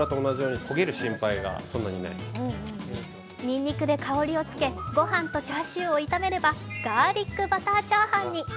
にんにくで香りをつけごはんとチャーシューを炒めればガーリックバターチャーハンに。